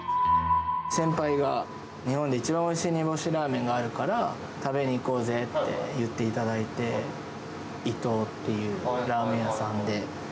先輩が日本で一番おいしい煮干しラーメンがあるから、食べに行こうぜって言っていただいて、伊藤っていうラーメン屋さんで。